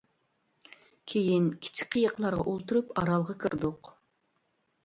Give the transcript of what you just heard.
كېيىن كىچىك قېيىقلارغا ئولتۇرۇپ، ئارالغا كىردۇق.